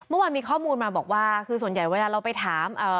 เมื่อวานมีข้อมูลมาบอกว่าคือส่วนใหญ่เวลาเราไปถาม